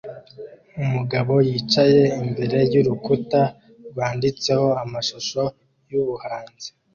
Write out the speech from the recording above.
Umugabo yicaye imbere yurukuta rwanditseho amashusho yubuhanzi